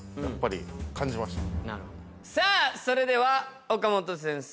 結構さあそれでは岡本先生